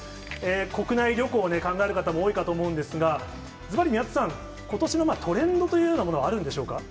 国内旅行を考える方も多いかと思うんですが、ずばり宮田さん、ことしのトレンドというようなものはあるんでしょうか。